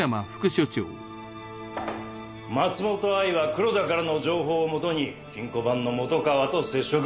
松本藍は黒田からの情報を元に金庫番の本川と接触。